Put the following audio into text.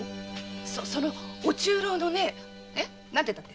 そのお中臈の何て言ったっけ？